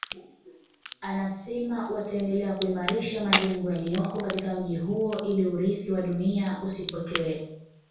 Anasema wataendelea kuimarisha majengo yaliyoko katika mji huo ili urithi wa dunia usipotee